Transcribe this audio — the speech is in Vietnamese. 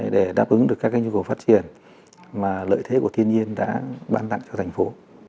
để đáp ứng được các nhu cầu phát triển mà lợi thế của thiên nhiên đã bán đặng cho thành phố